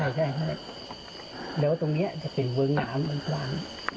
ใช่แหละว่าตรงนี้จะเป็นเวิงน้ำมืดบ้าน